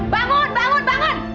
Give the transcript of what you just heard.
bangun bangun bangun